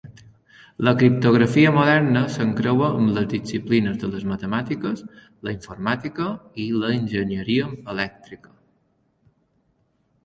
La criptografia moderna s'encreua amb les disciplines de les matemàtiques, la informàtica i l'enginyeria elèctrica.